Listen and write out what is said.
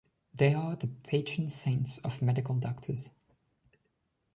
They are the patron saints of medical doctors.